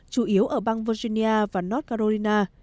chủ yếu ở bang virginia và north carolina